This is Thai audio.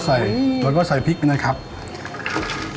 ใส่เยอะเหมือนกันนะพี่พางเยอะครับผม